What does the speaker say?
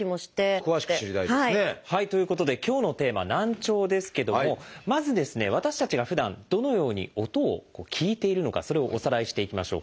詳しく知りたいですね。ということで今日のテーマ「難聴」ですけどもまず私たちがふだんどのように音を聞いているのかそれをおさらいしていきましょう。